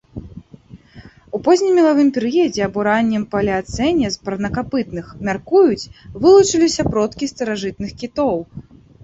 У познім мелавым перыядзе або раннім палеацэне з парнакапытных, мяркуюць, вылучыліся продкі старажытных кітоў.